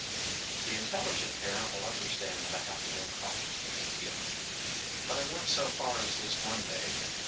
The intelligent parent will understand that I have to go cautiously with Gip. But I went so far as this one day.